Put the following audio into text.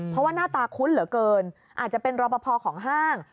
เพราะว่าหน้าตาคุ้นเหลือเกินอาจจะเป็นรอปภของห้าง